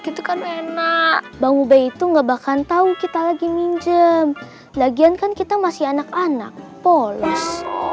itu kan enak bang ube itu nggak bakal tahu kita lagi minjem lagian kan kita masih anak anak polos